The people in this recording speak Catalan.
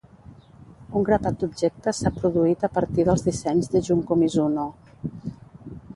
Un grapat d'objectes s'ha produït a partir dels dissenys de Junko Mizuno.